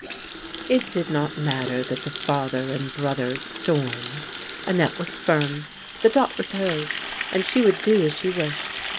It did not matter that the father and brothers stormed. Annette was firm ; the dot was hers, and she would do as she wished.